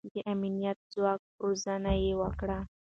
د امنيتي ځواک روزنه يې وکړه.